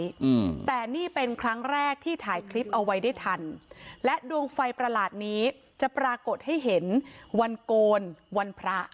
อืมแต่นี่เป็นครั้งแรกที่ถ่ายคลิปเอาไว้ได้ทันและดวงไฟประหลาดนี้จะปรากฏให้เห็นวันโกนวันพระ